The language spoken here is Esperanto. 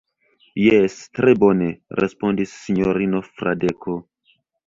Jes, tre bone, respondis sinjorino Fradeko.